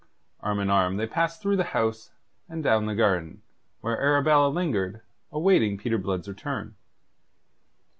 Arm in arm they passed through the house, and down the garden, where Arabella lingered, awaiting Peter Blood's return.